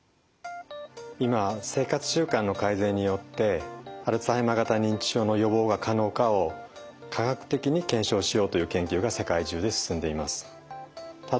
今生活習慣の改善によってアルツハイマー型認知症の予防が可能かを科学的に検証しようという研究が世界中で進んでいます。